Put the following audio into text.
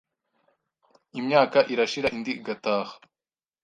imyaka irashira indi igataha